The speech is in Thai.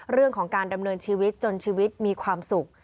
เรื่องของการดำเนินชีวิตจนชีวิตมีความสุข